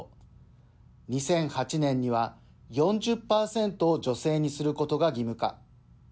２００８年には４０％を女性にすることが義務化。